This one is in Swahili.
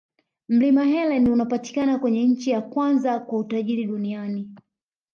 Mlima helen unapatikana kwenye nchi ya kwanza kwa tajiri duniani